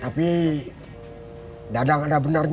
kenapa dia panggilnya carny